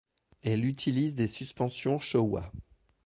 Elle utilise des suspensions Showa.